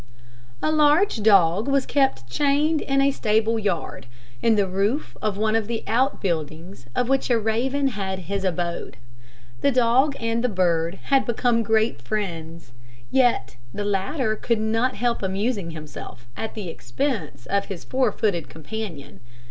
A large dog was kept chained in a stable yard, in the roof of one of the out buildings of which a raven had his abode. The dog and bird had become great friends. Yet the latter could not help amusing himself at the expense of his four footed companion.